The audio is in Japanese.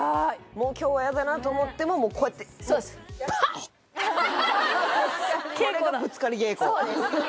もう今日はやだなと思ってももうこうやってそうですこれがぶつかり稽古そうです